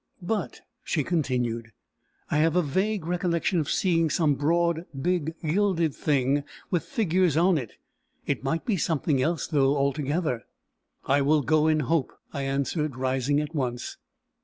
"But," she continued, "I have a vague recollection of seeing some broad, big, gilded thing with figures on it. It might be something else, though, altogether." "I will go in hope," I answered, rising at once.